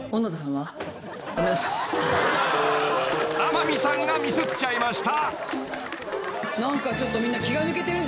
［天海さんがミスっちゃいました］